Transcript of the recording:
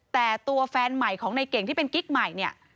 แต่ตัวแฟนใหม่ของในเก่งที่เป็นกิ๊กใหม่เนี่ย